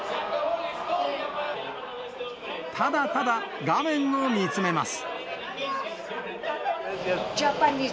ただただ画面を見つめます。